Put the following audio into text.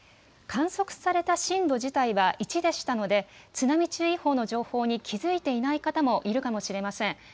観測された震度自体は１でしたので津波注意報の情報に気付いていない方もいるかもしれません。